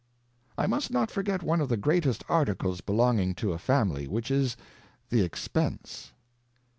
I must not forget one of the greatest Articles belonging to a Family, which is the Expence.